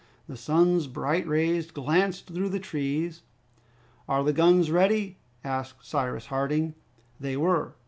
The sun's bright rays glanced through the trees. "Are the guns ready?" asked Cyrus Harding. They were.